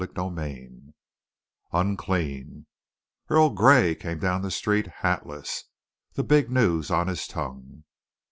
CHAPTER XX UNCLEAN Earl Gray came down the street hatless, the big news on his tongue.